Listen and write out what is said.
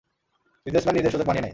Businessman নিজের সুযোগ বানিয়ে নেয়।